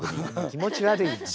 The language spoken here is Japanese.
気持ち悪いよ。